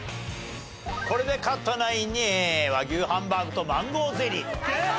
これで勝ったナインに和牛ハンバーグとマンゴーゼリー。